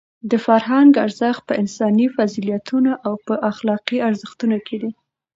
د فرهنګ ارزښت په انساني فضیلتونو او په اخلاقي ارزښتونو کې دی.